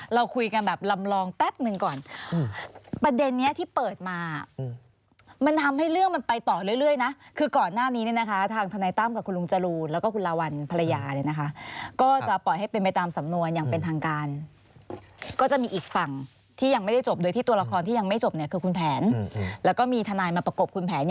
เราคุยกันแบบลำลองแป๊บหนึ่งก่อนประเด็นนี้ที่เปิดมามันทำให้เรื่องมันไปต่อเรื่อยนะคือก่อนหน้านี้เนี่ยนะคะทางทนายตั้มกับคุณลุงจรูนแล้วก็คุณลาวัลภรรยาเนี่ยนะคะก็จะปล่อยให้เป็นไปตามสำนวนอย่างเป็นทางการก็จะมีอีกฝั่งที่ยังไม่ได้จบโดยที่ตัวละครที่ยังไม่จบเนี่ยคือคุณแผนแล้วก็มีทนายมาประกบคุณแผน